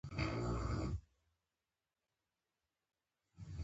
شېخ بُستان بړیڅ د پښتو ادبي او روحاني مشاهيرو څخه دئ.